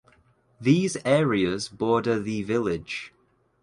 These areas border the village.